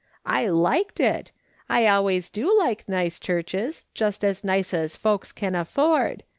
"I liked it. I always do like nice churches, just as nice as folks can afford.